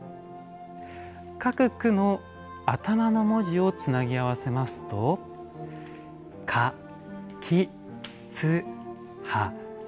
各句の頭の文字をつなぎ合わせますと「かきつはた」。